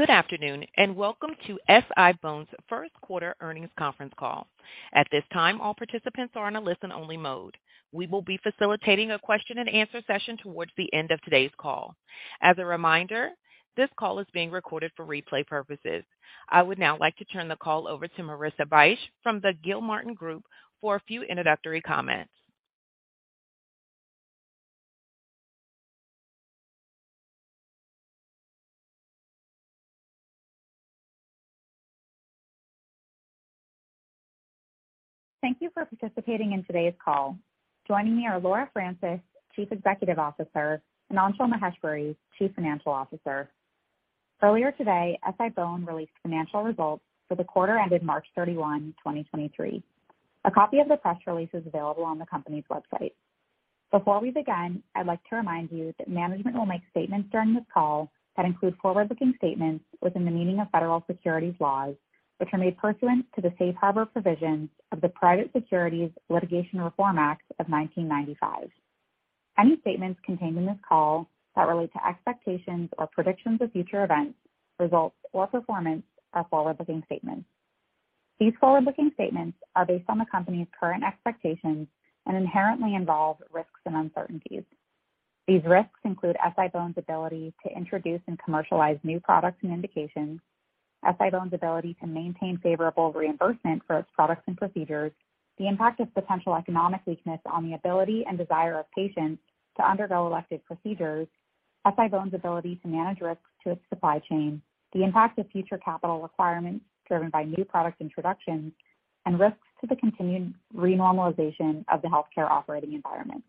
Good afternoon, welcome to SI-BONE's first quarter earnings conference call. At this time, all participants are on a listen-only mode. We will be facilitating a question and answer session towards the end of today's call. As a reminder, this call is being recorded for replay purposes. I would now like to turn the call over to Marissa Bych from the Gilmartin Group for a few introductory comments. Thank you for participating in today's call. Joining me are Laura Francis, Chief Executive Officer, and Anshul Maheshwari, Chief Financial Officer. Earlier today, SI-BONE released financial results for the quarter ended March 31, 2023. A copy of the press release is available on the company's website. Before we begin, I'd like to remind you that management will make statements during this call that include forward-looking statements within the meaning of federal securities laws, which are made pursuant to the safe harbor provisions of the Private Securities Litigation Reform Act of 1995. Any statements contained in this call that relate to expectations or predictions of future events, results, or performance are forward-looking statements. These forward-looking statements are based on the company's current expectations and inherently involve risks and uncertainties. These risks include SI-BONE's ability to introduce and commercialize new products and indications, SI-BONE's ability to maintain favorable reimbursement for its products and procedures, the impact of potential economic weakness on the ability and desire of patients to undergo elective procedures, SI-BONE's ability to manage risks to its supply chain, the impact of future capital requirements driven by new product introductions, and risks to the continued renormalization of the healthcare operating environment.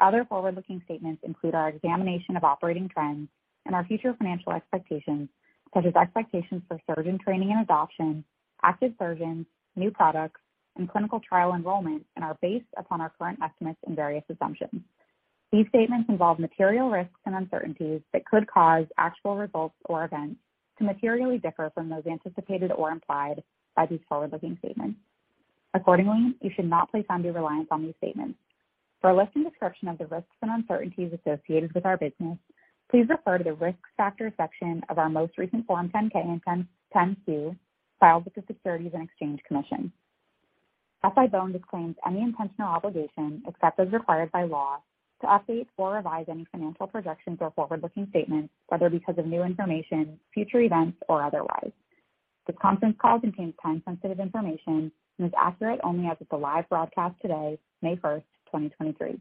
Other forward-looking statements include our examination of operating trends and our future financial expectations, such as expectations for surgeon training and adoption, active surgeons, new products, and clinical trial enrollment, and are based upon our current estimates and various assumptions. These statements involve material risks and uncertainties that could cause actual results or events to materially differ from those anticipated or implied by these forward-looking statements. Accordingly, you should not place undue reliance on these statements. For a list and description of the risks and uncertainties associated with our business, please refer to the Risk Factor section of our most recent Form 10-K and 10-Q filed with the Securities and Exchange Commission. SI-BONE disclaims any intentional obligation, except as required by law, to update or revise any financial projections or forward-looking statements, whether because of new information, future events, or otherwise. This conference call contains time-sensitive information and is accurate only as of the live broadcast today, May 1st, 2023.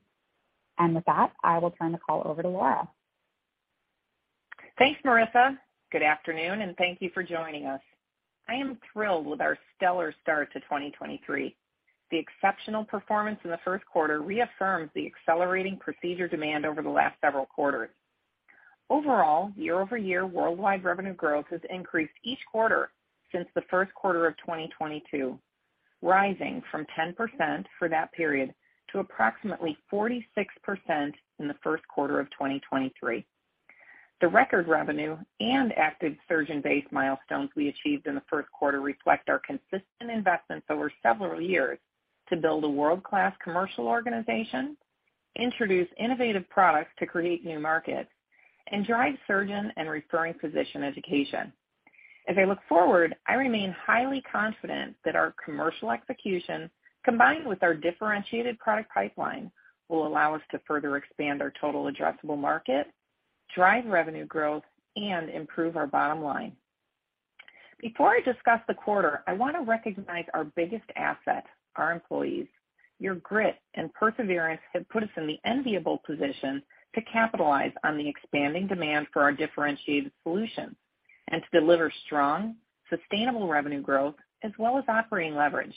With that, I will turn the call over to Laura. Thanks, Marissa. Good afternoon, and thank you for joining us. I am thrilled with our stellar start to 2023. The exceptional performance in the first quarter reaffirms the accelerating procedure demand over the last several quarters. Overall, year-over-year worldwide revenue growth has increased each quarter since the first quarter of 2022, rising from 10% for that period to approximately 46% in the first quarter of 2023. The record revenue and active surgeon base milestones we achieved in the first quarter reflect our consistent investments over several years to build a world-class commercial organization, introduce innovative products to create new markets, and drive surgeon and referring physician education. As I look forward, I remain highly confident that our commercial execution, combined with our differentiated product pipeline, will allow us to further expand our total addressable market, drive revenue growth, and improve our bottom line. Before I discuss the quarter, I want to recognize our biggest asset, our employees. Your grit and perseverance have put us in the enviable position to capitalize on the expanding demand for our differentiated solutions and to deliver strong, sustainable revenue growth as well as operating leverage.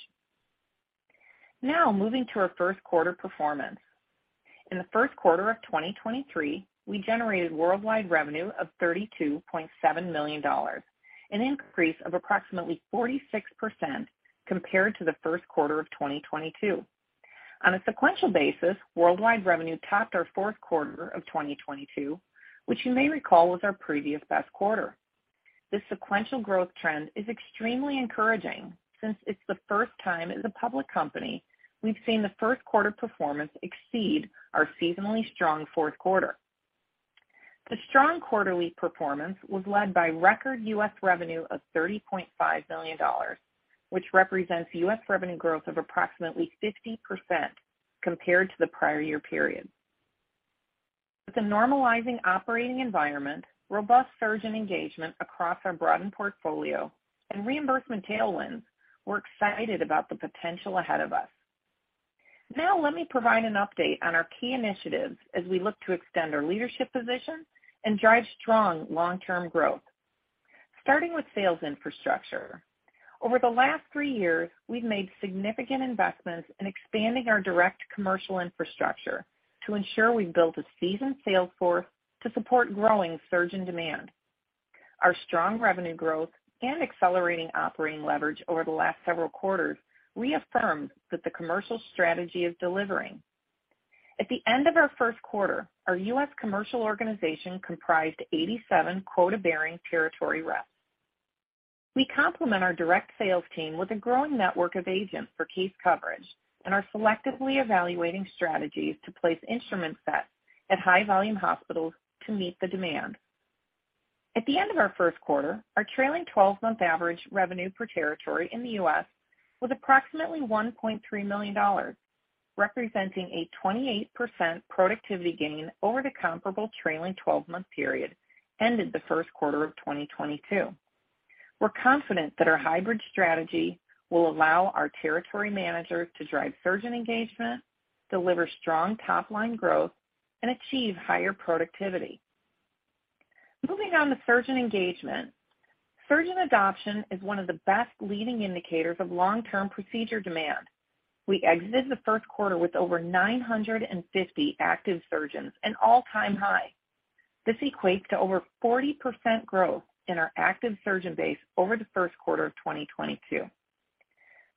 Now, moving to our first quarter performance. In the first quarter of 2023, we generated worldwide revenue of $32.7 million, an increase of approximately 46% compared to the first quarter of 2022. On a sequential basis, worldwide revenue topped our fourth quarter of 2022, which you may recall was our previous best quarter. This sequential growth trend is extremely encouraging since it's the first time as a public company we've seen the first quarter performance exceed our seasonally strong fourth quarter. The strong quarterly performance was led by record U.S. revenue of $30.5 million, which represents U.S. revenue growth of approximately 50% compared to the prior year period. With a normalizing operating environment, robust surgeon engagement across our broadened portfolio, and reimbursement tailwinds, we're excited about the potential ahead of us. Now, let me provide an update on our key initiatives as we look to extend our leadership position and drive strong long-term growth. Starting with sales infrastructure. Over the last three years, we've made significant investments in expanding our direct commercial infrastructure to ensure we've built a seasoned sales force to support growing surgeon demand. Our strong revenue growth and accelerating operating leverage over the last several quarters reaffirm that the commercial strategy is delivering. At the end of our first quarter, our U.S. commercial organization comprised 87 quota-bearing territory reps. We complement our direct sales team with a growing network of agents for case coverage and are selectively evaluating strategies to place instrument sets at high volume hospitals to meet the demand. At the end of our first quarter, our trailing twelve-month average revenue per territory in the U.S. was approximately $1.3 million, representing a 28% productivity gain over the comparable trailing 12-month period ended the first quarter of 2022. We're confident that our hybrid strategy will allow our territory managers to drive surgeon engagement, deliver strong top-line growth and achieve higher productivity. Moving on to surgeon engagement. Surgeon adoption is one of the best leading indicators of long-term procedure demand. We exited the first quarter with over 950 active surgeons, an all-time high. This equates to over 40% growth in our active surgeon base over the first quarter of 2022.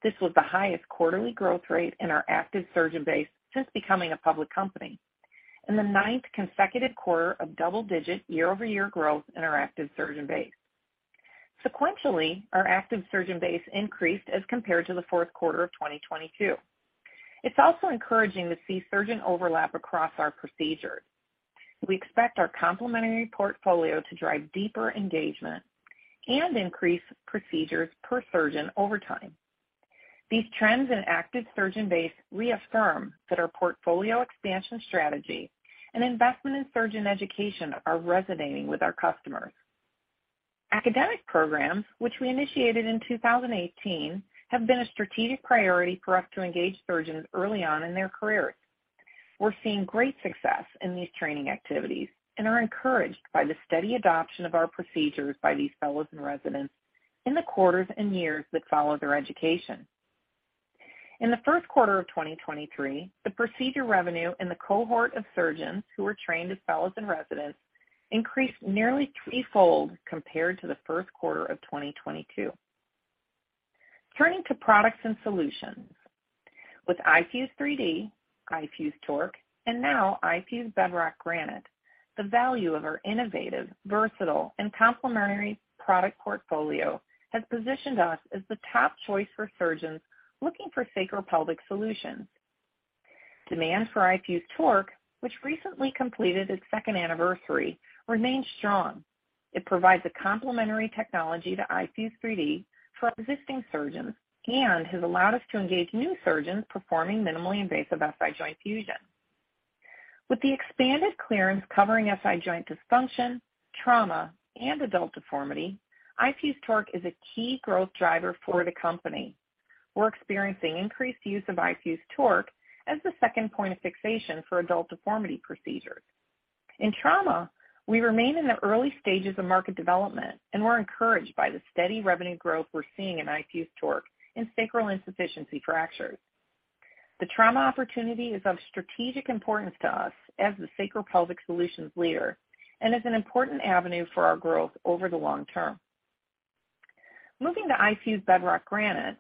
This was the highest quarterly growth rate in our active surgeon base since becoming a public company and the ninth consecutive quarter of double-digit year-over-year growth in our active surgeon base. Sequentially, our active surgeon base increased as compared to the fourth quarter of 2022. It's also encouraging to see surgeon overlap across our procedures. We expect our complementary portfolio to drive deeper engagement and increase procedures per surgeon over time. These trends in active surgeon base reaffirm that our portfolio expansion strategy and investment in surgeon education are resonating with our customers. Academic programs, which we initiated in 2018, have been a strategic priority for us to engage surgeons early on in their careers. We're seeing great success in these training activities and are encouraged by the steady adoption of our procedures by these fellows and residents in the quarters and years that follow their education. In the first quarter of 2023, the procedure revenue in the cohort of surgeons who were trained as fellows and residents increased nearly three-fold compared to the first quarter of 2022. Turning to products and solutions. With iFuse 3D, iFuse TORQ, and now iFuse Bedrock Granite, the value of our innovative, versatile and complementary product portfolio has positioned us as the top choice for surgeons looking for Sacropelvic Solutions. Demand for iFuse TORQ, which recently completed its second anniversary, remains strong. It provides a complementary technology to iFuse 3D for existing surgeons and has allowed us to engage new surgeons performing minimally invasive SI joint fusion. With the expanded clearance covering SI joint dysfunction, trauma, and adult deformity, iFuse TORQ is a key growth driver for the company. We're experiencing increased use of iFuse TORQ as the second point of fixation for adult deformity procedures. In trauma, we remain in the early stages of market development, and we're encouraged by the steady revenue growth we're seeing in iFuse TORQ in sacral insufficiency fractures. The trauma opportunity is of strategic importance to us as the Sacropelvic Solutions leader and is an important avenue for our growth over the long term. Moving to iFuse Bedrock Granite.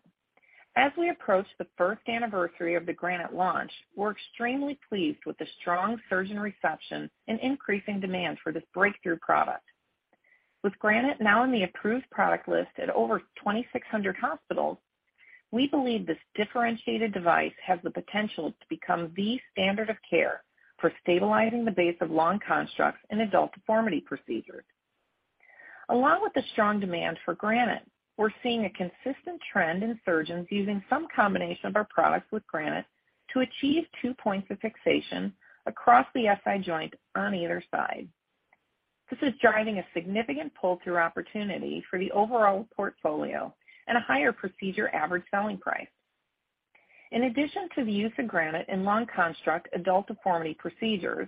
As we approach the first anniversary of the Granite launch, we're extremely pleased with the strong surgeon reception and increasing demand for this breakthrough product. With Granite now in the approved product list at over 2,600 hospitals, we believe this differentiated device has the potential to become the standard of care for stabilizing the base of long constructs in adult deformity procedures. Along with the strong demand for Granite, we're seeing a consistent trend in surgeons using some combination of our products with Granite to achieve two points of fixation across the SI joint on either side. This is driving a significant pull-through opportunity for the overall portfolio and a higher procedure average selling price. In addition to the use of Granite in long construct adult deformity procedures,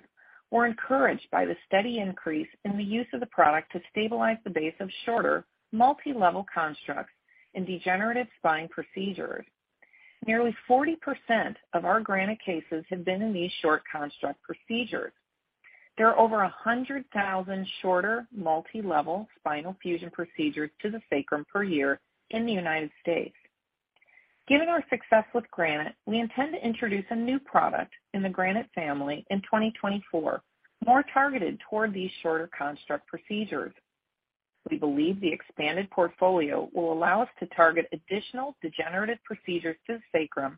we're encouraged by the steady increase in the use of the product to stabilize the base of shorter multi-level constructs in degenerative spine procedures. Nearly 40% of our Granite cases have been in these short construct procedures. There are over 100,000 shorter multi-level spinal fusion procedures to the sacrum per year in the United States. Given our success with Granite, we intend to introduce a new product in the Granite family in 2024, more targeted toward these shorter construct procedures. We believe the expanded portfolio will allow us to target additional degenerative procedures to the sacrum,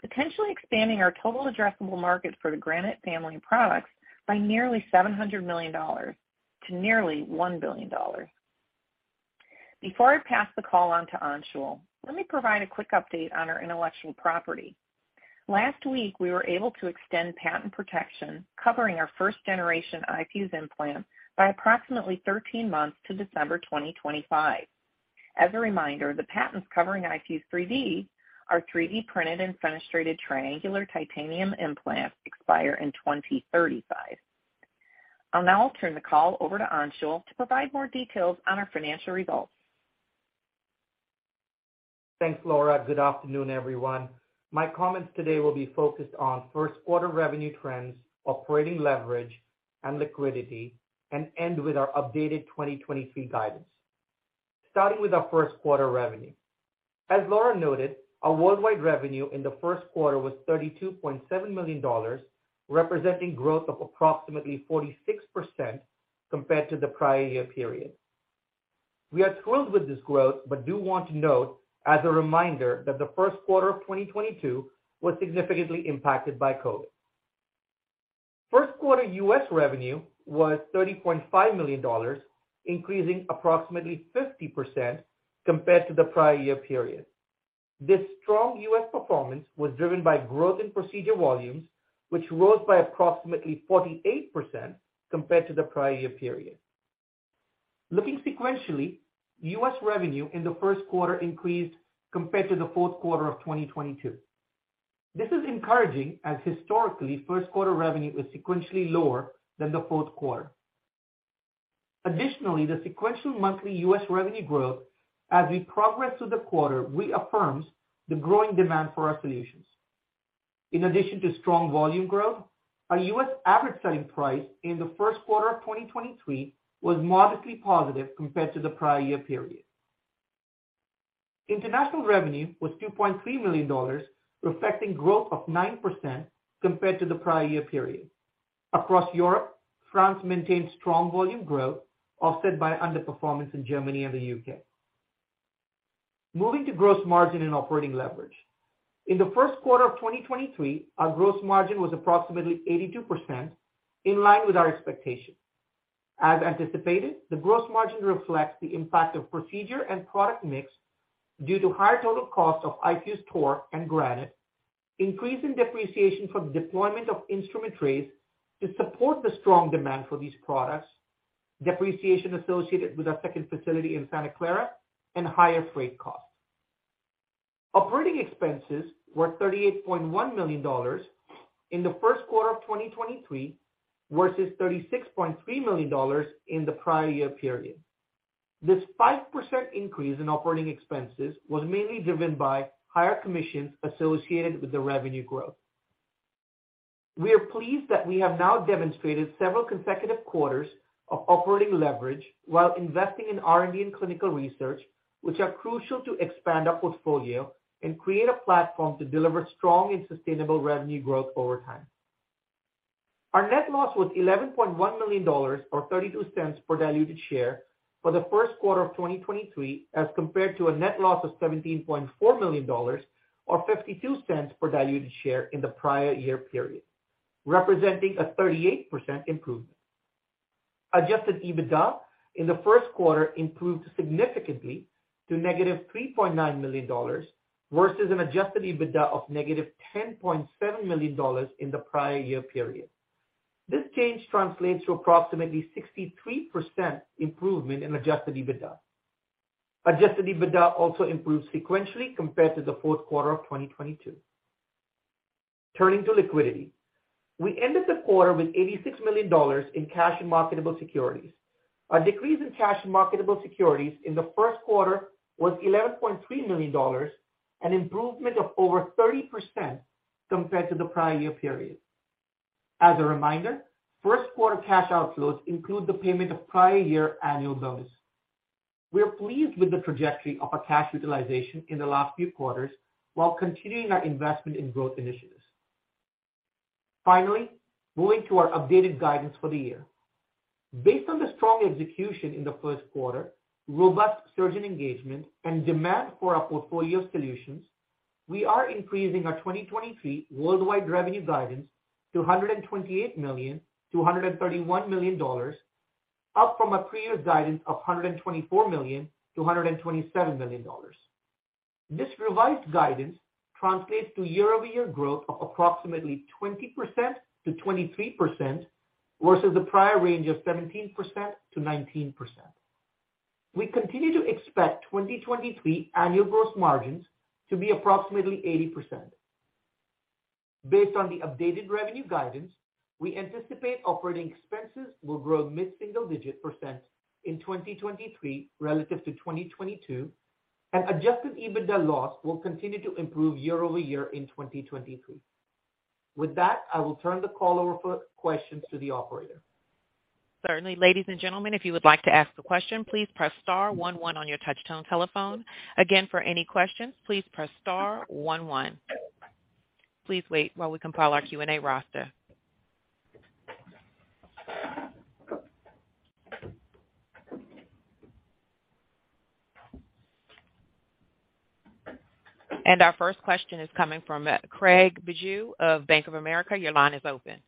potentially expanding our total addressable market for the Granite family of products by nearly $700 million to nearly $1 billion. Before I pass the call on to Anshul, let me provide a quick update on our intellectual property. Last week, we were able to extend patent protection covering our first generation iFuse implant by approximately 13 months to December 2025. As a reminder, the patents covering iFuse 3D, our 3D printed and fenestrated triangular titanium implants expire in 2035. I'll now turn the call over to Anshul to provide more details on our financial results. Thanks, Laura. Good afternoon, everyone. My comments today will be focused on first quarter revenue trends, operating leverage and liquidity, and end with our updated 2023 guidance. Starting with our first quarter revenue. As Laura noted, our worldwide revenue in the first quarter was $32.7 million, representing growth of approximately 46% compared to the prior year period. We are thrilled with this growth, do want to note as a reminder that the first quarter of 2022 was significantly impacted by COVID. First quarter U.S. revenue was $30.5 million, increasing approximately 50% compared to the prior year period. This strong U.S. performance was driven by growth in procedure volumes, which rose by approximately 48% compared to the prior year period. Looking sequentially, U.S. revenue in the first quarter increased compared to the fourth quarter of 2022. This is encouraging as historically, first quarter revenue is sequentially lower than the fourth quarter. Additionally, the sequential monthly U.S. revenue growth as we progress through the quarter reaffirms the growing demand for our solutions. In addition to strong volume growth, our U.S. average selling price in the first quarter of 2023 was modestly positive compared to the prior year period. International revenue was $2.3 million, reflecting growth of 9% compared to the prior year period. Across Europe, France maintained strong volume growth, offset by underperformance in Germany and the U.K. Moving to gross margin and operating leverage. In the first quarter of 2023, our gross margin was approximately 82% in line with our expectations. As anticipated, the gross margin reflects the impact of procedure and product mix due to higher total cost of iFuse TORQ and Granite, increase in depreciation from deployment of instrument trays to support the strong demand for these products, depreciation associated with our second facility in Santa Clara and higher freight costs. Operating expenses were $38.1 million in the first quarter of 2023 versus $36.3 million in the prior year period. This 5% increase in operating expenses was mainly driven by higher commissions associated with the revenue growth. We are pleased that we have now demonstrated several consecutive quarters of operating leverage while investing in R&D and clinical research, which are crucial to expand our portfolio and create a platform to deliver strong and sustainable revenue growth over time. Our net loss was $11.1 million or $0.32 per diluted share for the first quarter of 2023, as compared to a net loss of $17.4 million or $0.52 per diluted share in the prior year period, representing a 38% improvement. Adjusted EBITDA in the first quarter improved significantly to -$3.9 million versus an Adjusted EBITDA of negative $10.7 million in the prior year period. This change translates to approximately 63% improvement in Adjusted EBITDA. Adjusted EBITDA also improved sequentially compared to the fourth quarter of 2022. Turning to liquidity. We ended the quarter with $86 million in cash and marketable securities. Our decrease in cash and marketable securities in the first quarter was $11.3 million, an improvement of over 30% compared to the prior year period. As a reminder, first quarter cash outflows include the payment of prior year annual bonus. We are pleased with the trajectory of our cash utilization in the last few quarters while continuing our investment in growth initiatives. Finally, moving to our updated guidance for the year. Based on the strong execution in the first quarter, robust surgeon engagement and demand for our portfolio solutions, we are increasing our 2023 worldwide revenue guidance to $128 million-$131 million, up from our prior guidance of $124 million-$127 million. This revised guidance translates to year-over-year growth of approximately 20%-23%, versus the prior range of 17%-19%. We continue to expect 2023 annual gross margins to be approximately 80%. Based on the updated revenue guidance, we anticipate operating expenses will grow mid-single digit percent in 2023 relative to 2022, and Adjusted EBITDA loss will continue to improve year-over-year in 2023. With that, I will turn the call over for questions to the operator. Certainly. Ladies and gentlemen, if you would like to ask a question, please press star one one on your touchtone telephone. Again, for any questions, please press star one one. Please wait while we compile our Q&A roster. And our first question is coming from, Craig Bijou of Bank of America. Your line is open.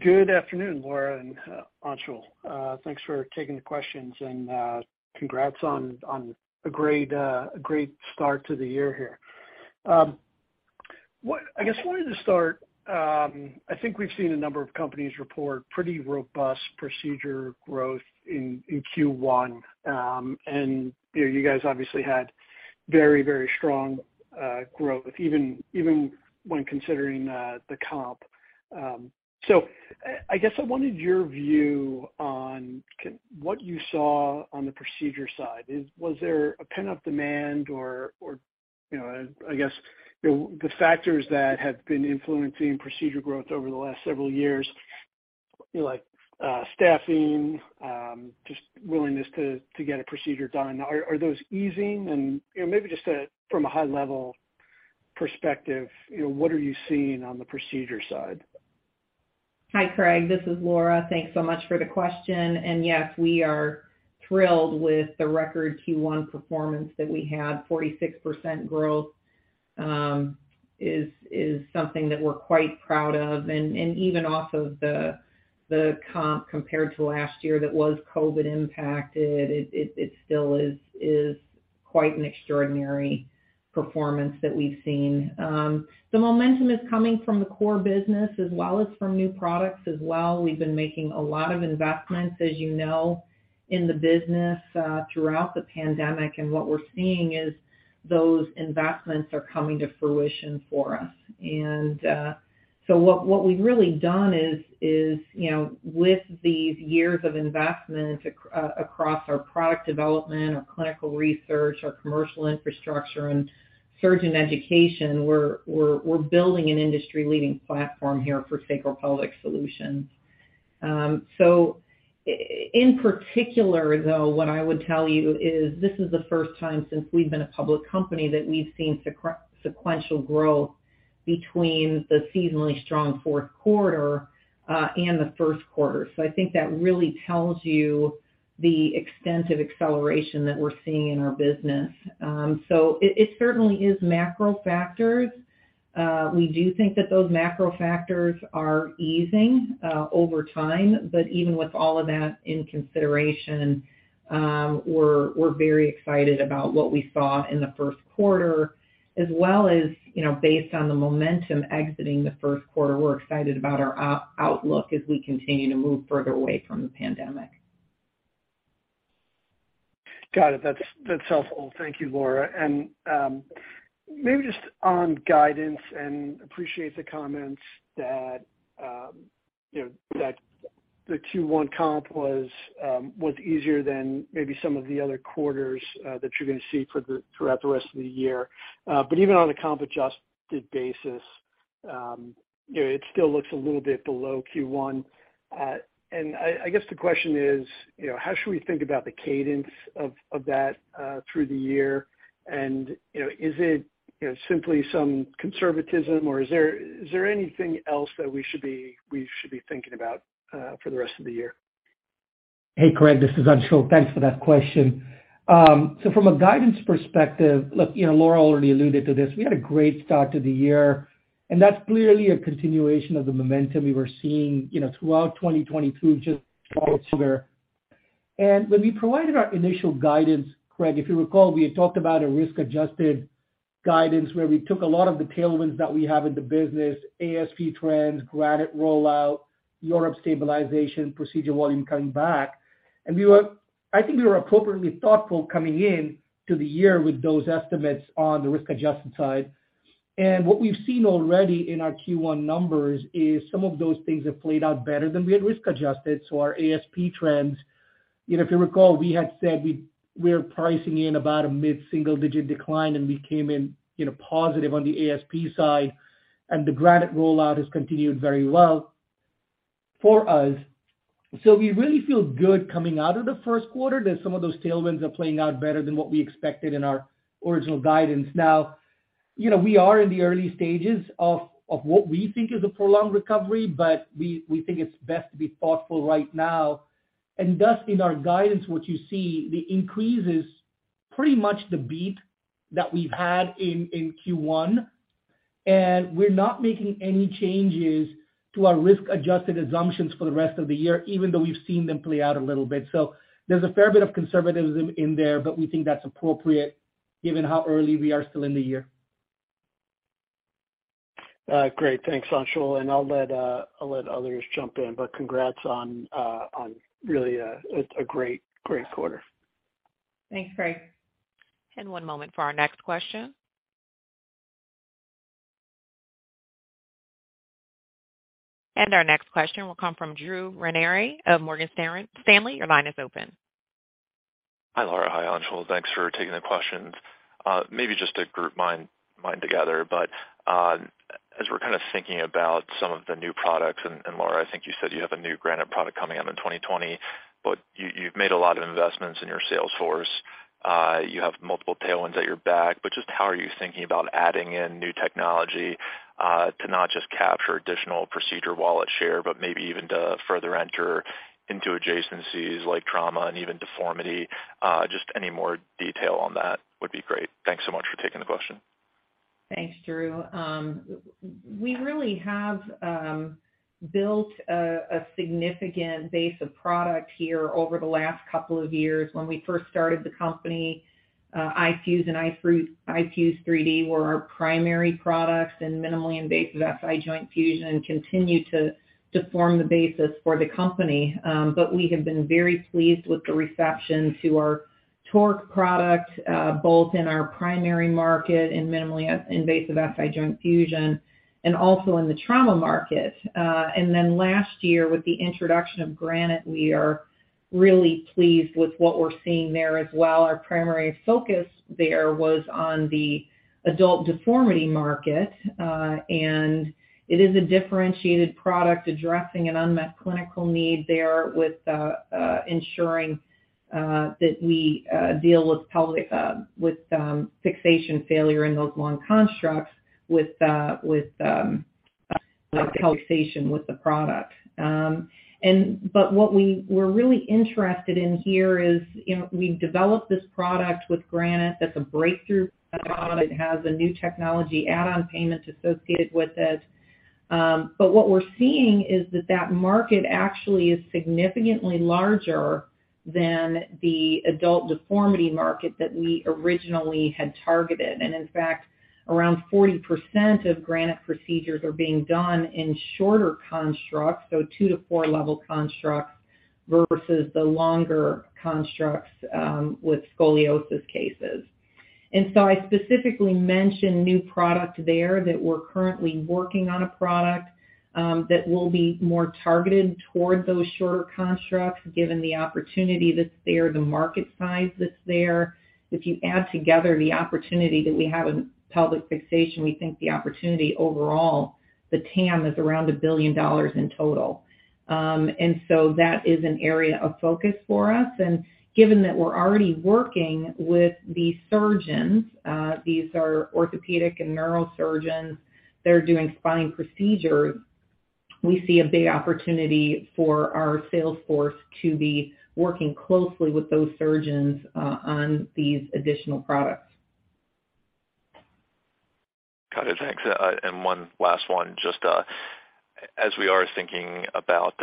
Good afternoon, Laura and Anshul. Thanks for taking the questions and congrats on a great start to the year here. I guess wanted to start, I think we've seen a number of companies report pretty robust procedure growth in Q1. You know, you guys obviously had very strong growth even when considering the comp. I guess I wanted your view on what you saw on the procedure side. Was there a pent-up demand or, you know, I guess, you know, the factors that have been influencing procedure growth over the last several years? You know, like staffing, just willingness to get a procedure done. Are those easing? You know, maybe just from a high-level perspective, you know, what are you seeing on the procedure side? Hi, Craig. This is Laura. Thanks so much for the question. Yes, we are thrilled with the record Q1 performance that we had. 46% growth is something that we're quite proud of. Even off of the comp compared to last year that was COVID-impacted, it still is quite an extraordinary performance that we've seen. The momentum is coming from the core business as well as from new products as well. We've been making a lot of investments, as you know, in the business throughout the pandemic. What we're seeing is those investments are coming to fruition for us. What we've really done is, you know, with these years of investment across our product development, our clinical research, our commercial infrastructure, and surgeon education, we're building an industry-leading platform here for Sacropelvic Solutions. In particular, though, what I would tell you is this is the first time since we've been a public company that we've seen sequential growth between the seasonally strong fourth quarter and the first quarter. I think that really tells you the extent of acceleration that we're seeing in our business. It certainly is macro factors. We do think that those macro factors are easing over time. Even with all of that in consideration, we're very excited about what we saw in the first quarter as well as, you know, based on the momentum exiting the first quarter, we're excited about our outlook as we continue to move further away from the pandemic. Got it. That's, that's helpful. Thank you, Laura. Maybe just on guidance and appreciate the comments that, you know, that the Q1 comp was easier than maybe some of the other quarters that you're gonna see throughout the rest of the year. Even on a comp-adjusted basis, you know, it still looks a little bit below Q1. I guess, the question is, you know, how should we think about the cadence of that, through the year? You know, is it, you know, simply some conservatism or is there, is there anything else that we should be thinking about, for the rest of the year? Hey, Craig. This is Anshul. Thanks for that question. From a guidance perspective, look, you know, Laura already alluded to this. We had a great start to the year, that's clearly a continuation of the momentum we were seeing, you know, throughout 2022 just stronger. When we provided our initial guidance, Craig, if you recall, we had talked about a risk-adjusted guidance, where we took a lot of the tailwinds that we have in the business, ASP trends, Granite rollout, Europe stabilization, procedure volume coming back. I think we were appropriately thoughtful coming in to the year with those estimates on the risk-adjusted side. What we've seen already in our Q1 numbers is some of those things have played out better than we had risk adjusted. Our ASP trends, you know, if you recall, we had said we're pricing in about a mid-single-digit decline, and we came in, you know, positive on the ASP side, and the Granite rollout has continued very well for us. We really feel good coming out of the first quarter that some of those tailwinds are playing out better than what we expected in our original guidance. You know, we are in the early stages of what we think is a prolonged recovery, but we think it's best to be thoughtful right now. Thus, in our guidance, what you see, the increase is pretty much the beat that we've had in Q1. We're not making any changes to our risk-adjusted assumptions for the rest of the year, even though we've seen them play out a little bit. There's a fair bit of conservatism in there, but we think that's appropriate given how early we are still in the year. Great. Thanks, Anshul. I'll let others jump in, congrats on really a great quarter. Thanks, Craig. One moment for our next question. Our next question will come from Drew Ranieri of Morgan Stanley. Your line is open. Hi, Laura. Hi, Anshul. Thanks for taking the questions. Maybe just to group mind together, but as we're kind of thinking about some of the new products, and Laura, I think you said you have a new Granite product coming out in 2020, but you've made a lot of investments in your sales force. You have multiple tailwinds at your back, but just how are you thinking about adding in new technology to not just capture additional procedure wallet share, but maybe even to further enter into adjacencies like trauma and even deformity? Just any more detail on that would be great. Thanks so much for taking the question. Thanks, Drew. We really have built a significant base of product here over the last couple of years. When we first started the company, iFuse and iFuse 3D were our primary products, and minimally invasive SI joint fusion continued to form the basis for the company. We have been very pleased with the reception to our TORQ product, both in our primary market in minimally invasive SI joint fusion and also in the trauma market. Then last year with the introduction of Granite, we are really pleased with what we're seeing there as well. Our primary focus there was on the adult deformity market, and it is a differentiated product addressing an unmet clinical need there with ensuring that we deal with pelvic with fixation failure in those long constructs with the with fixation with the product. But what we were really interested in here is, you know, we've developed this product with Granite. That's a Breakthrough Device designation product. It has a new technology add-on payment associated with it. What we're seeing is that market actually is significantly larger than the adult deformity market that we originally had targeted. In fact, around 40% of Granite procedures are being done in shorter constructs, so 2-4-level constructs versus the longer constructs with scoliosis cases. I specifically mentioned new product there that we're currently working on a product that will be more targeted towards those shorter constructs given the opportunity that's there, the market size that's there. If you add together the opportunity that we have in pelvic fixation, we think the opportunity overall, the TAM is around $1 billion in total. That is an area of focus for us. Given that we're already working with the surgeons, these are orthopedic and neurosurgeons that are doing spine procedures, we see a big opportunity for our sales force to be working closely with those surgeons on these additional products. Got it. Thanks. One last one, just as we are thinking about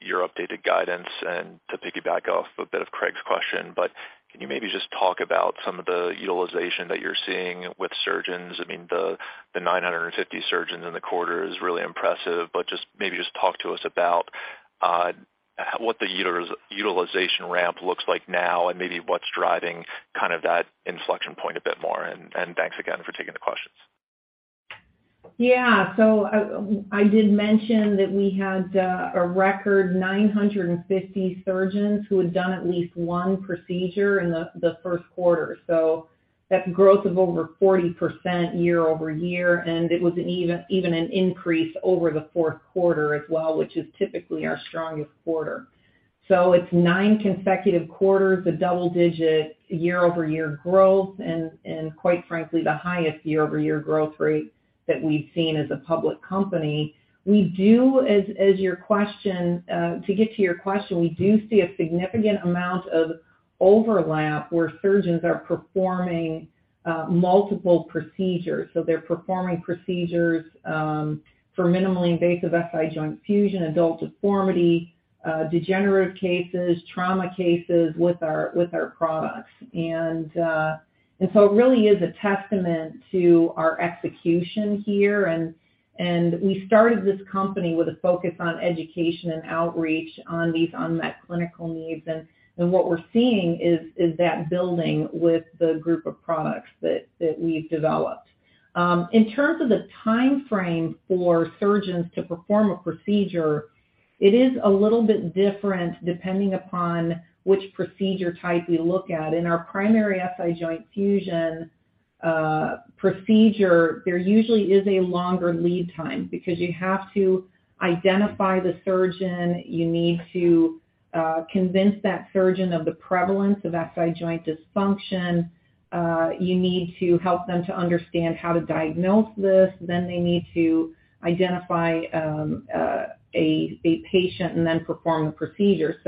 your updated guidance and to piggyback off a bit of Craig's question, but can you maybe just talk about some of the utilization that you're seeing with surgeons? I mean, the 950 surgeons in the quarter is really impressive, but just maybe just talk to us about what the utilization ramp looks like now and maybe what's driving kind of that inflection point a bit more. Thanks again for taking the questions. Yeah. I did mention that we had a record 950 surgeons who had done at least one procedure in the first quarter. That's growth of over 40% year-over-year. It was an even an increase over the fourth quarter as well, which is typically our strongest quarter. It's nine consecutive quarters of double-digit year-over-year growth, and quite frankly, the highest year-over-year growth rate that we've seen as a public company. We do, to get to your question, we do see a significant amount of overlap where surgeons are performing multiple procedures. They're performing procedures for minimally invasive SI joint fusion, adult deformity, degenerative cases, trauma cases with our products. It really is a testament to our execution here. We started this company with a focus on education and outreach on these unmet clinical needs. What we're seeing is that building with the group of products that we've developed. In terms of the timeframe for surgeons to perform a procedure, it is a little bit different depending upon which procedure type we look at. In our primary SI joint fusion procedure, there usually is a longer lead time because you have to identify the surgeon. You need to convince that surgeon of the prevalence of SI joint dysfunction. You need to help them to understand how to diagnose this. They need to identify a patient and then perform the procedure.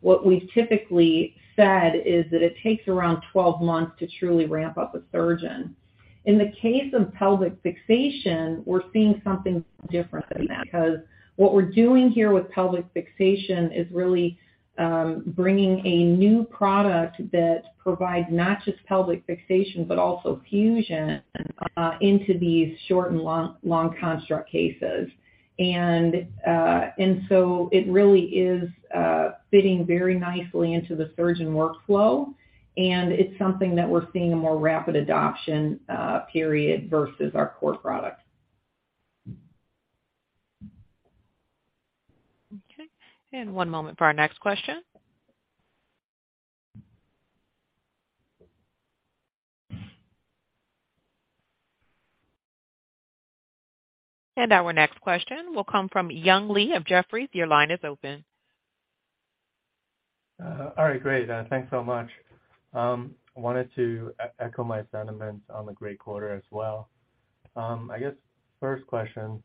What we've typically said is that it takes around 12 months to truly ramp up a surgeon. In the case of pelvic fixation, we're seeing something different than that, because what we're doing here with pelvic fixation is really bringing a new product that provides not just pelvic fixation, but also fusion into these short and long construct cases. It really is fitting very nicely into the surgeon workflow, and it's something that we're seeing a more rapid adoption period versus our core products. Okay. One moment for our next question. Our next question will come from Young Li of Jefferies. Your line is open. All right, great. Thanks so much. I wanted to echo my sentiments on the great quarter as well. I guess first question,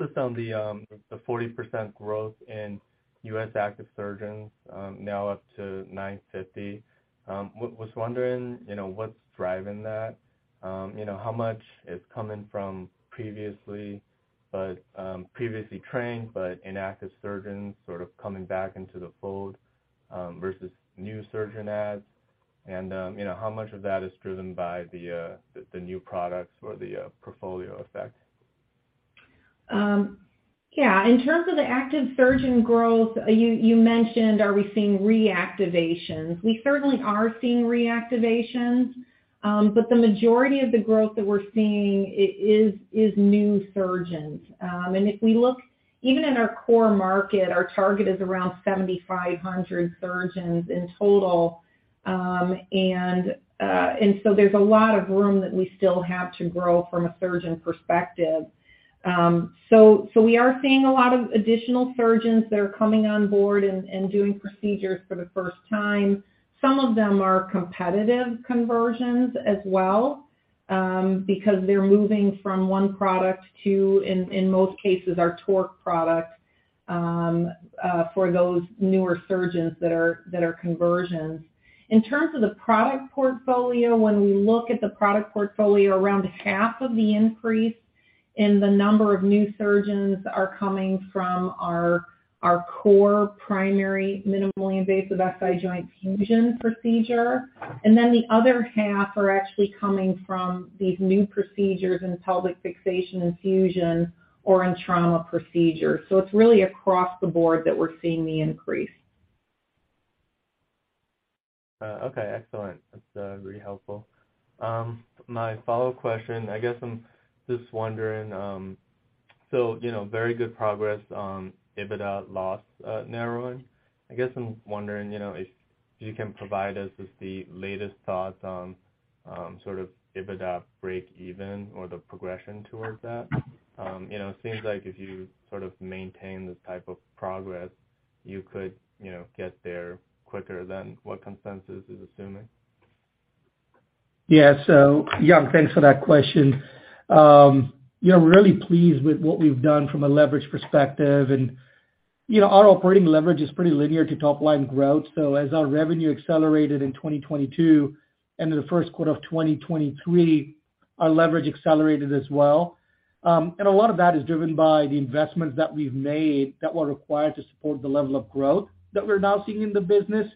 just on the 40% growth in U.S. active surgeons, now up to 950. Was wondering, you know, what's driving that? You know, how much is coming from previously, but, previously trained but inactive surgeons sort of coming back into the fold, versus new surgeon adds. You know, how much of that is driven by the new products or the portfolio effect? Yeah. In terms of the active surgeon growth, you mentioned, are we seeing reactivations? We certainly are seeing reactivations. The majority of the growth that we're seeing is new surgeons. If we look even in our core market, our target is around 7,500 surgeons in total. There's a lot of room that we still have to grow from a surgeon perspective. We are seeing a lot of additional surgeons that are coming on board and doing procedures for the first time. Some of them are competitive conversions as well, because they're moving from one product to, in most cases, our TORQ product, for those newer surgeons that are conversions. In terms of the product portfolio, when we look at the product portfolio, around half of the increase in the number of new surgeons are coming from our core primary minimally invasive SI joint fusion procedure. The other half are actually coming from these new procedures in pelvic fixation and fusion or in trauma procedures. It's really across the board that we're seeing the increase. Okay, excellent. That's really helpful. My follow-up question, I guess I'm just wondering, you know, very good progress on EBITDA loss, narrowing. I guess I'm wondering, you know, if you can provide us with the latest thoughts on sort of EBITDA break even or the progression towards that. You know, it seems like if you sort of maintain this type of progress, you could, you know, get there quicker than what consensus is assuming. Yeah. Young, thanks for that question. Yeah, we're really pleased with what we've done from a leverage perspective. You know, our operating leverage is pretty linear to top line growth. As our revenue accelerated in 2022 and in the first quarter of 2023, our leverage accelerated as well. A lot of that is driven by the investments that we've made that were required to support the level of growth that we're now seeing in the business.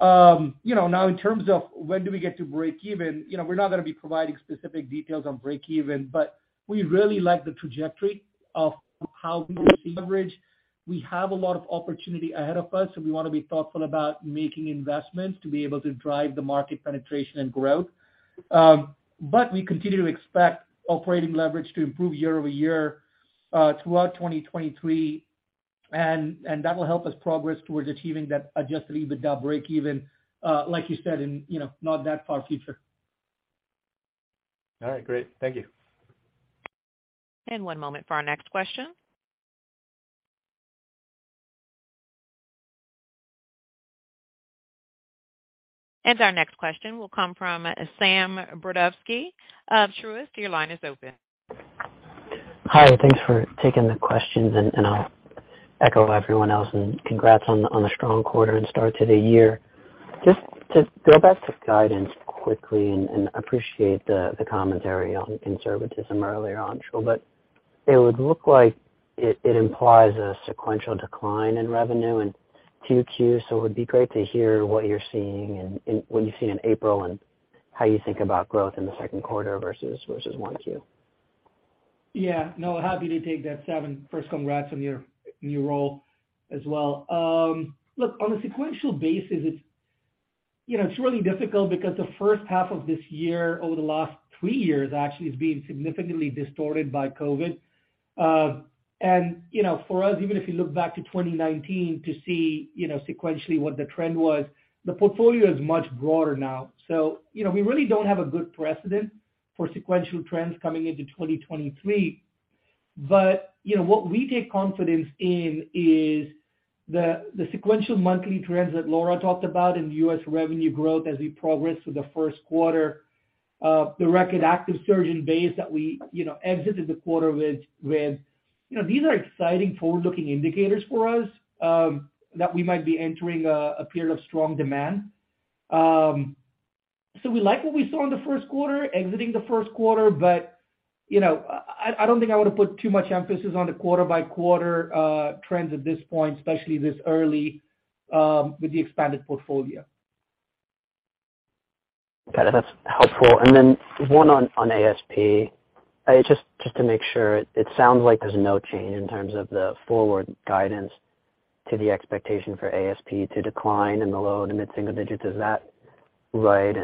You know, now in terms of when do we get to breakeven, you know, we're not gonna be providing specific details on breakeven, but we really like the trajectory of how we leverage. We have a lot of opportunity ahead of us, we wanna be thoughtful about making investments to be able to drive the market penetration and growth. We continue to expect operating leverage to improve year-over-year throughout 2023, and that will help us progress towards achieving that Adjusted EBITDA breakeven, like you said, in not that far future. All right, great. Thank you. One moment for our next question. Our next question will come from Sam Brodovsky of Truist. Your line is open. Hi, thanks for taking the questions, and I'll echo everyone else and congrats on the strong quarter and start to the year. Just to go back to guidance quickly and appreciate the commentary on conservatism earlier on, Anshul, but it would look like it implies a sequential decline in revenue in 2Q. It would be great to hear what you're seeing and what you see in April and how you think about growth in the second quarter versus 1Q. Yeah. No, happy to take that, Sam, first congrats on your new role as well. Look, on a sequential basis, it's, you know, it's really difficult because the first half of this year, over the last three years actually, has been significantly distorted by COVID. You know, for us, even if you look back to 2019 to see, you know, sequentially what the trend was, the portfolio is much broader now. You know, we really don't have a good precedent for sequential trends coming into 2023. You know, what we take confidence in is the sequential monthly trends that Laura talked about in U.S. revenue growth as we progress through the first quarter, the record active surgeon base that we, you know, exited the quarter with. You know, these are exciting forward-looking indicators for us, that we might be entering a period of strong demand. We like what we saw in the first quarter, exiting the first quarter, but, you know, I don't think I want to put too much emphasis on the quarter-by-quarter trends at this point, especially this early, with the expanded portfolio. Got it. That's helpful. One on ASP, just to make sure. It sounds like there's no change in terms of the forward guidance to the expectation for ASP to decline in the low- to mid-single digits. Is that right?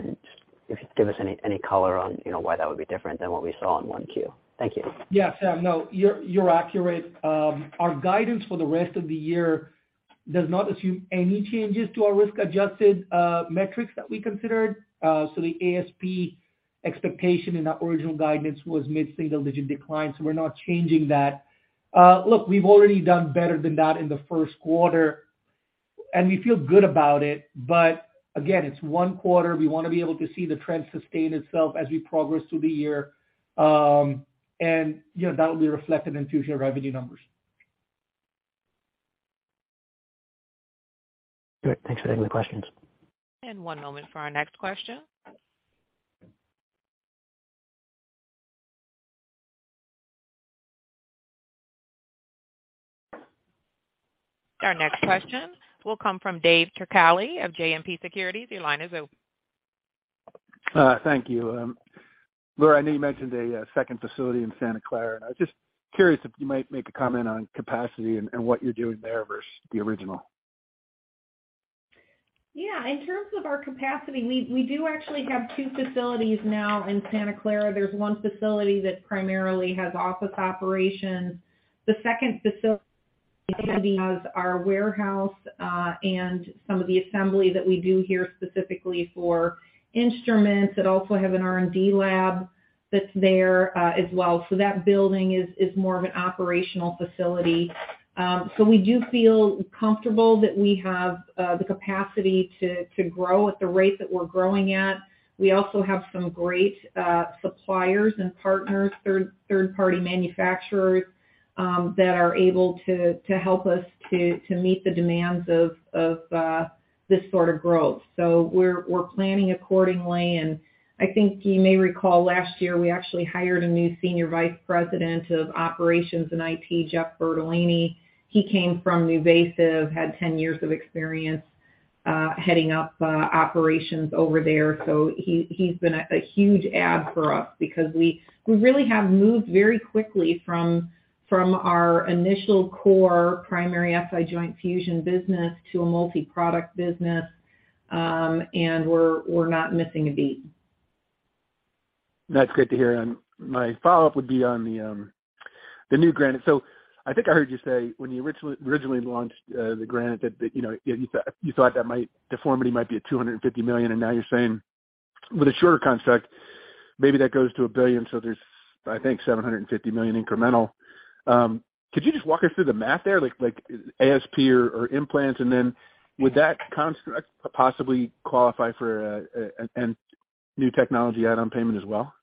If you give us any color on, you know, why that would be different than what we saw in 1Q. Thank you. Yeah, Sam. You're, you're accurate. Our guidance for the rest of the year does not assume any changes to our risk-adjusted metrics that we considered. The ASP expectation in our original guidance was mid-single digit decline, so we're not changing that. We've already done better than that in the first quarter, and we feel good about it. Again, it's one quarter. We wanna be able to see the trend sustain itself as we progress through the year. You know, that will be reflected in future revenue numbers. Great. Thanks for taking the questions. One moment for our next question. Our next question will come from Dave Turkaly of JMP Securities. Your line is open. Thank you. Laura, I know you mentioned a second facility in Santa Clara. I was just curious if you might make a comment on capacity and what you're doing there versus the original. Yeah, in terms of our capacity, we do actually have two facilities now in Santa Clara. There's 1 facility that primarily has office operations. The second facility has our warehouse and some of the assembly that we do here, specifically for instruments that also have an R&D lab that's there as well. That building is more of an operational facility. We do feel comfortable that we have the capacity to grow at the rate that we're growing at. We also have some great suppliers and partners, third-party manufacturers, that are able to help us to meet the demands of this sort of growth. We're planning accordingly. I think you may recall last year, we actually hired a new Senior Vice President of Operations and IT, Jeff Bertolini. He came from NuVasive, had 10 years of experience, heading up operations over there. He's been a huge add for us because we really have moved very quickly from our initial core primary SI joint fusion business to a multi-product business. We're not missing a beat. That's great to hear. My follow-up would be on the new Granite. I think I heard you say when you originally launched the Granite that, you know, you thought that deformity might be at $250 million, and now you're saying with a shorter construct, maybe that goes to $1 billion. There's, I think, $750 million incremental. Could you just walk us through the math there, like ASP or implants, and then would that construct possibly qualify for a new technology add-on payment as well?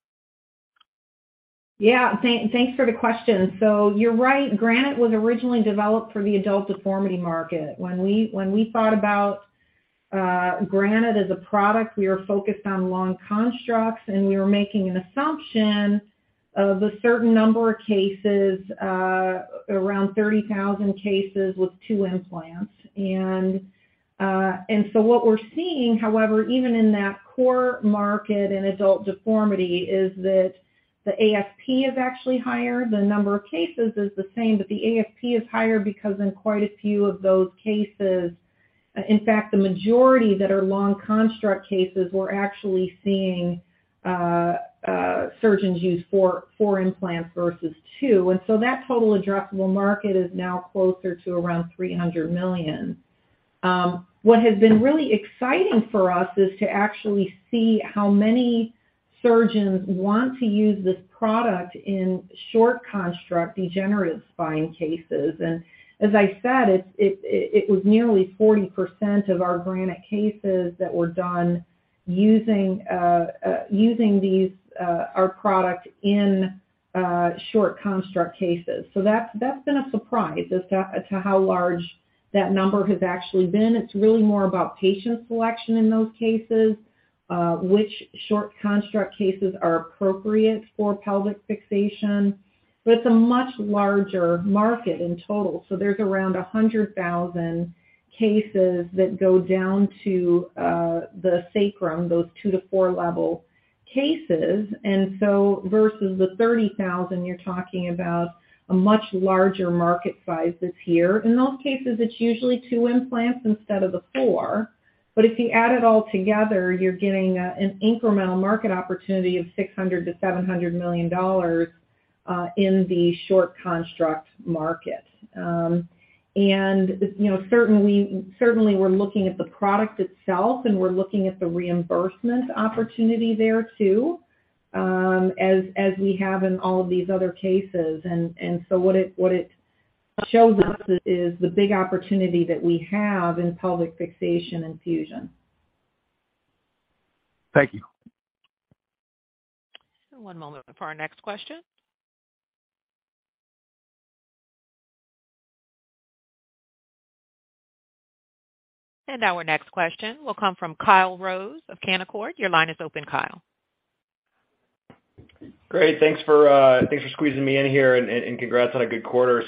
Thanks for the question. You're right. Granite was originally developed for the adult deformity market. When we thought about Granite as a product, we were focused on long constructs, and we were making an assumption of a certain number of cases, around 30,000 cases with two implants. What we're seeing, however, even in that core market in adult deformity, is that the ASP is actually higher. The number of cases is the same, but the ASP is higher because in quite a few of those cases, in fact, the majority that are long construct cases, we're actually seeing surgeons use four implants versus two. That total addressable market is now closer to around $300 million. What has been really exciting for us is to actually see how many surgeons want to use this product in short construct degenerative spine cases. As I said, it was nearly 40% of our Granite cases that were done using these, our product in short construct cases. That's been a surprise as to how large that number has actually been. It's really more about patient selection in those cases, which short construct cases are appropriate for pelvic fixation. It's a much larger market in total. There's around 100,000 cases that go down to the sacrum, those 2-4 level cases. Versus the 30,000, you're talking about a much larger market size that's here. In those cases, it's usually two implants instead of the four. If you add it all together, you're getting, an incremental market opportunity of $600 million-$700 million, in the short construct market. You know, certainly we're looking at the product itself, and we're looking at the reimbursement opportunity there, too, as we have in all of these other cases. So what it shows us is the big opportunity that we have in pelvic fixation and fusion. Thank you. One moment for our next question. Our next question will come from Kyle Rose of Canaccord. Your line is open, Kyle. Great. Thanks for, thanks for squeezing me in here, and congrats on a good quarter.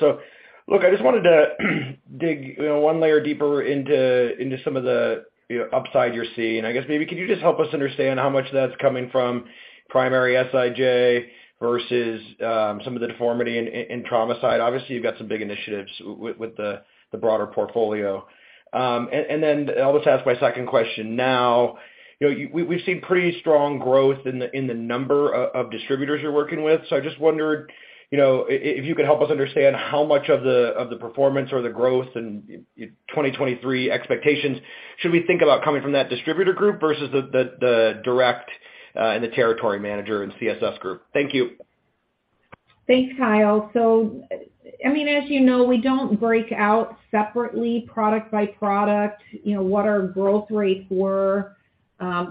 Look, I just wanted to dig, you know, one layer deeper into some of the, you know, upside you're seeing. I guess maybe could you just help us understand how much that's coming from primary SIJ versus some of the deformity in trauma side? Obviously, you've got some big initiatives with the broader portfolio. And then I'll just ask my second question now. You know, we've seen pretty strong growth in the number of distributors you're working with. I just wondered, you know, if you could help us understand how much of the, of the performance or the growth in 2023 expectations should we think about coming from that distributor group versus the direct, and the territory manager and CSS group? Thank you. Thanks, Kyle. As you know, we don't break out separately product by product, what our growth rates were.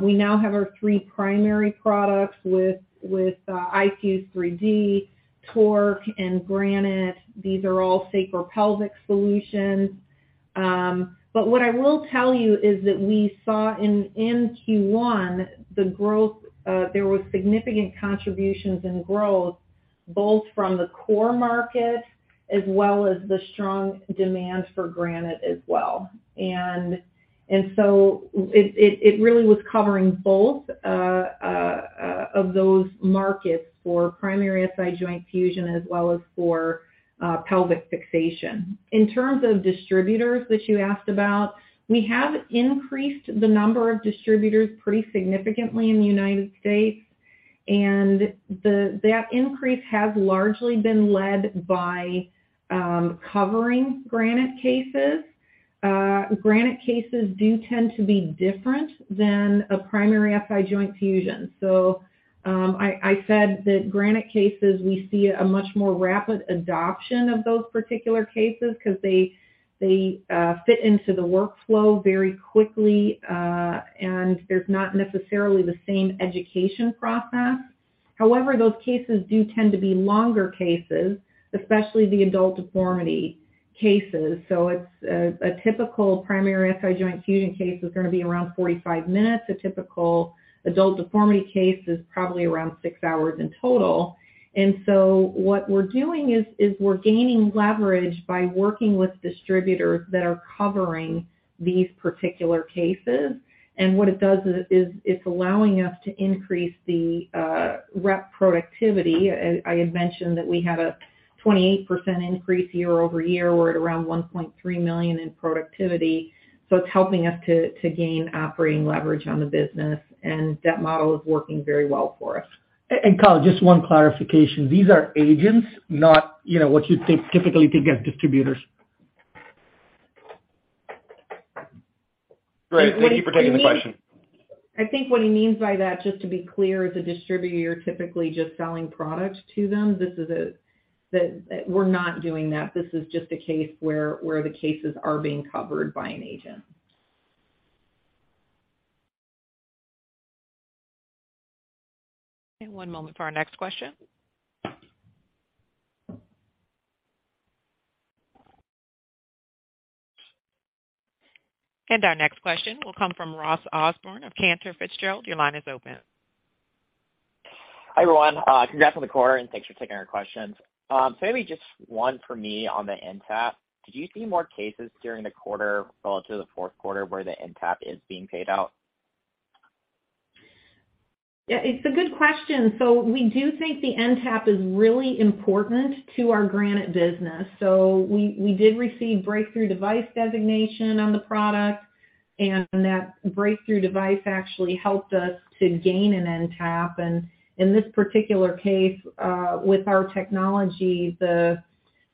We now have our three primary products with iFuse 3D, TORQ, and Granite. These are all Sacropelvic Solutions. What I will tell you is that we saw in Q1, the growth, there was significant contributions in growth, both from the core market as well as the strong demand for Granite as well. It really was covering both of those markets for primary SI joint fusion as well as for pelvic fixation. In terms of distributors that you asked about, we have increased the number of distributors pretty significantly in the United States. That increase has largely been led by covering Granite cases. Granite cases do tend to be different than a primary SI joint fusion. I said that Granite cases, we see a much more rapid adoption of those particular cases because they fit into the workflow very quickly, and there's not necessarily the same education process. However, those cases do tend to be longer cases, especially the adult deformity cases. It's a typical primary SI joint fusion case is gonna be around 45 minutes. A typical adult deformity case is probably around 6 hours in total. What we're doing is, we're gaining leverage by working with distributors that are covering these particular cases. What it does is, it's allowing us to increase the rep productivity. I had mentioned that we had a 28% increase year-over-year. We're at around $1.3 million in productivity. It's helping us to gain operating leverage on the business, and that model is working very well for us. Kyle, just one clarification. These are agents, not, you know, what you'd think, typically think as distributors. Right. Thank you for taking the question. I think what he means by that, just to be clear, is a distributor, you're typically just selling product to them. This is that we're not doing that. This is just a case where the cases are being covered by an agent. One moment for our next question. Our next question will come from Ross Osborn of Cantor Fitzgerald. Your line is open. Hi, everyone. congrats on the quarter, and thanks for taking our questions. maybe just one for me on the NTAP. Did you see more cases during the quarter relative to the fourth quarter where the NTAP is being paid out? Yeah, it's a good question. We do think the NTAP is really important to our Granite business. We did receive Breakthrough Device designation on the product, and that Breakthrough Device actually helped us to gain an NTAP. In this particular case, with our technology, the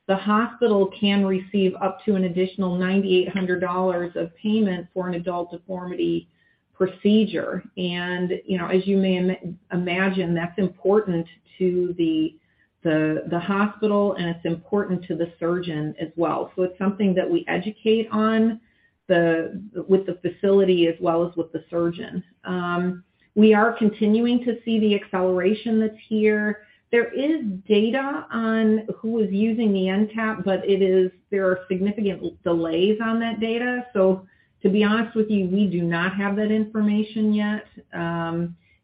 hospital can receive up to an additional $9,800 of payment for an adult deformity procedure. You know, as you may imagine, that's important to the hospital, and it's important to the surgeon as well. It's something that we educate on the with the facility as well as with the surgeon. We are continuing to see the acceleration that's here. There is data on who is using the NTAP, but there are significant delays on that data. To be honest with you, we do not have that information yet.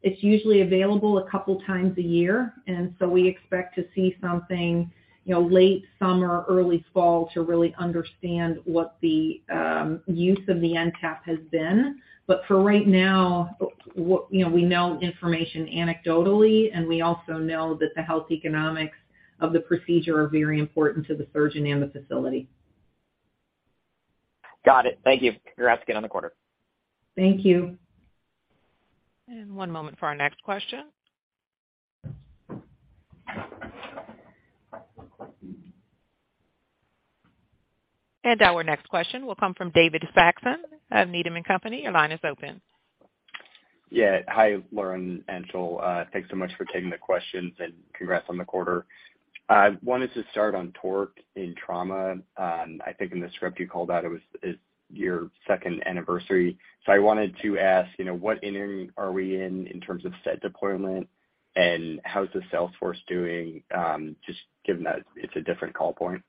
It's usually available a couple times a year, and so we expect to see something, you know, late summer, early fall to really understand what the use of the NTAP has been. For right now, what, you know, we know information anecdotally, and we also know that the health economics of the procedure are very important to the surgeon and the facility. Got it. Thank you. Congrats again on the quarter. Thank you. One moment for our next question. Our next question will come from David Saxon of Needham & Company. Your line is open. Yeah. Hi, Laura and Anshul. Thanks so much for taking the questions, and congrats on the quarter. I wanted to start on TORQ in trauma. I think in the script you called out it was, it's your second anniversary. I wanted to ask, you know, what inning are we in terms of set deployment, and how's the sales force doing, just given that it's a different call point?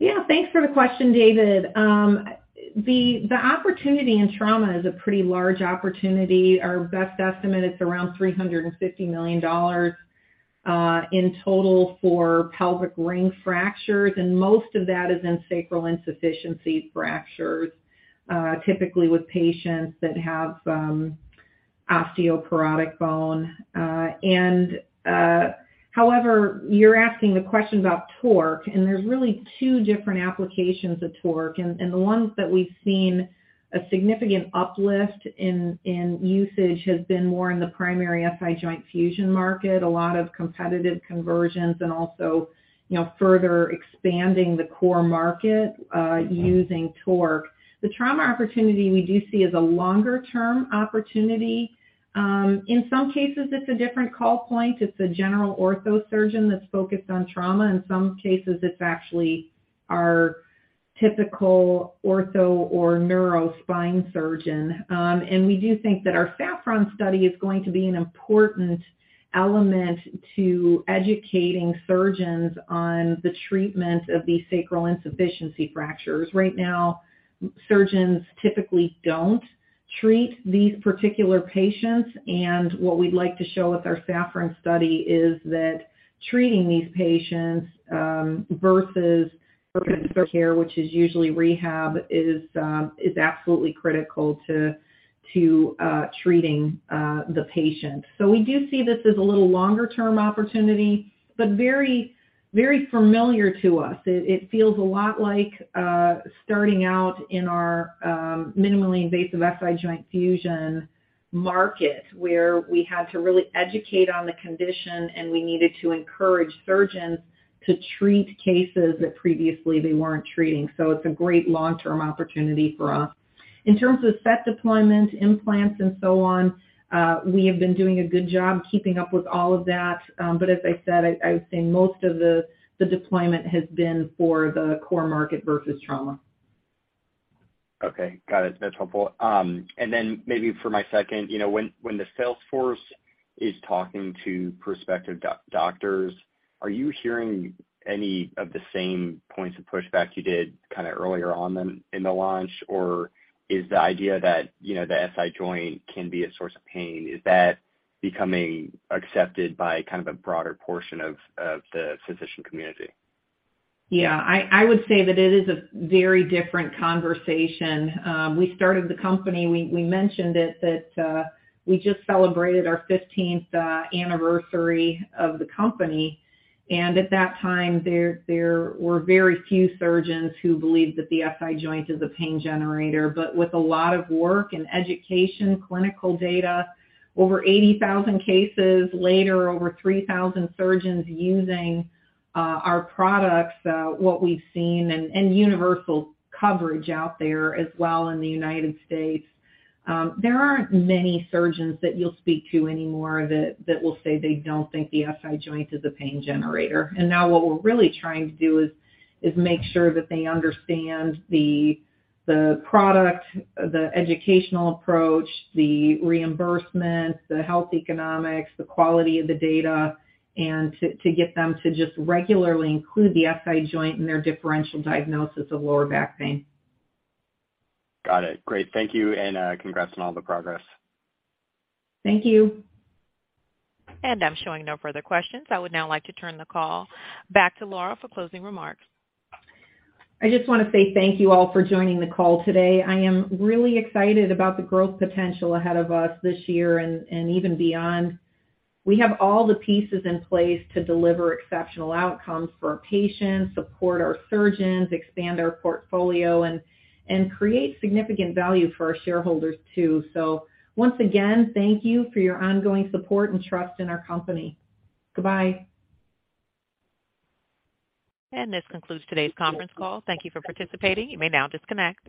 Yeah. Thanks for the question, David. The opportunity in trauma is a pretty large opportunity. Our best estimate is around $350 million in total for pelvic ring fractures, and most of that is in sacral insufficiency fractures, typically with patients that have osteoporotic bone. And, however, you're asking the question about TORQ, and there's really two different applications of TORQ. The ones that we've seen a significant uplift in usage has been more in the primary SI joint fusion market, a lot of competitive conversions and also, you know, further expanding the core market, using TORQ. The trauma opportunity we do see as a longer-term opportunity. In some cases, it's a different call point. It's a general ortho surgeon that's focused on trauma. In some cases, it's actually our typical ortho or neuro spine surgeon. We do think that our SAFFRON study is going to be an important element to educating surgeons on the treatment of these sacral insufficiency fractures. Right now, surgeons typically don't treat these particular patients, and what we'd like to show with our SAFFRON study is that treating these patients versus their care, which is usually rehab, is absolutely critical to treating the patient. We do see this as a little longer-term opportunity, but very, very familiar to us. It feels a lot like starting out in our minimally invasive SI joint fusion market where we had to really educate on the condition, and we needed to encourage surgeons to treat cases that previously they weren't treating. It's a great long-term opportunity for us. In terms of set deployment, implants, and so on, we have been doing a good job keeping up with all of that. As I said, I would say most of the deployment has been for the core market versus trauma. Got it. That's helpful. Maybe for my second, you know, when the sales force is talking to prospective doctors, are you hearing any of the same points of pushback you did kind of earlier on in the launch? Or is the idea that, you know, the SI joint can be a source of pain, is that becoming accepted by kind of a broader portion of the physician community? Yeah. I would say that it is a very different conversation. We started the company, we mentioned it that we just celebrated our 15th anniversary of the company, at that time, there were very few surgeons who believed that the SI joint is a pain generator. With a lot of work and education, clinical data, over 80,000 cases, later over 3,000 surgeons using our products, what we've seen and universal coverage out there as well in the United States, there aren't many surgeons that you'll speak to anymore that will say they don't think the SI joint is a pain generator. Now what we're really trying to do is make sure that they understand the product, the educational approach, the reimbursement, the health economics, the quality of the data, and to get them to just regularly include the SI joint in their differential diagnosis of lower back pain. Got it. Great. Thank you, and, congrats on all the progress. Thank you. I'm showing no further questions. I would now like to turn the call back to Laura for closing remarks. I just wanna say thank you all for joining the call today. I am really excited about the growth potential ahead of us this year and even beyond. We have all the pieces in place to deliver exceptional outcomes for our patients, support our surgeons, expand our portfolio and create significant value for our shareholders too. Once again, thank you for your ongoing support and trust in our company. Goodbye. This concludes today's conference call. Thank you for participating. You may now disconnect.